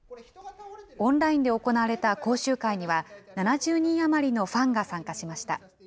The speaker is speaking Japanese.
オンラインで行われた講習会には、７０人余りのファンが参加しました。